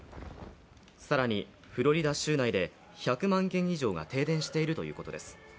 更に、フロリダ州内で１００万軒以上が停電しているということです。